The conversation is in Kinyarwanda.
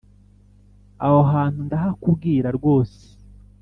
aho hantu ndahakubwira rwose